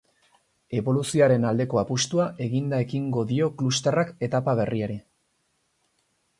Eboluzioaren aldeko apustua eginda ekingo dio klusterrak etapa berriari.